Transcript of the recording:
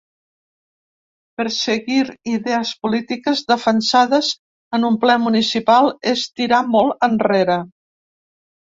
Perseguir idees polítiques defensades en un ple municipal és tirar molt enrere.